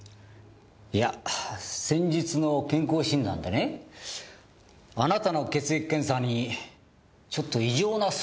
いや先日の健康診断でねあなたの血液検査にちょっと異常な数値がね。